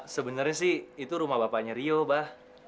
sebenarnya sih itu rumah bapaknya rio bah